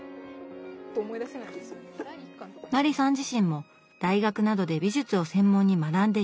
麻里さん自身も大学などで美術を専門に学んでいないそう。